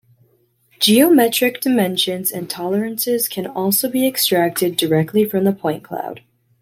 Geometric dimensions and tolerances can also be extracted directly from the point cloud.